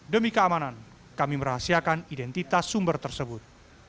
demi keamanan kami merahasiakan identitas sumber tersebut